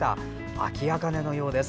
アキアカネのようです。